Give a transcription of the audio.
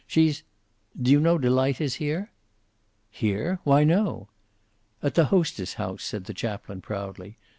She's do you know Delight is here?" "Here? Why, no." "At the hostess house," said the chaplain, proudly.